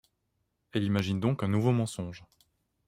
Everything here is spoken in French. Elle imagine donc un nouveau mensonge.